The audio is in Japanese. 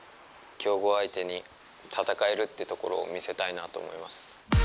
強豪相手に戦えるっていうところを見せたいなと思います。